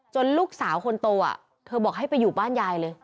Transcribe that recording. ลูกสาวคนโตเธอบอกให้ไปอยู่บ้านยายเลย